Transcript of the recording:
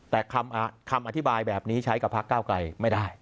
แต่คำอธิบายแบบนี้ใช้กับพักเก้าไกลไม่ได้